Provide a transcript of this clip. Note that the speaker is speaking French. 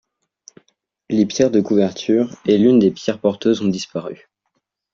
Les pierres de couverture et l'une des pierres porteuses ont disparu.